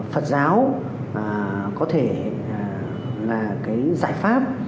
phật giáo có thể là cái giải pháp